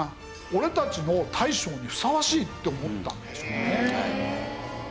「俺たちの大将にふさわしい！」って思ったんでしょうね。